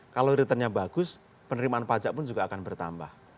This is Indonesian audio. kalau returnnya bagus penerimaan pajak pun juga akan bertambah